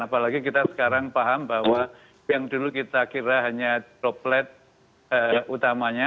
apalagi kita sekarang paham bahwa yang dulu kita kira hanya droplet utamanya